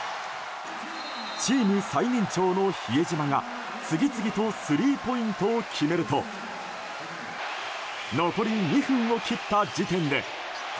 チーム最年長の比江島が次々とスリーポイントを決めると残り２分を切った時点で。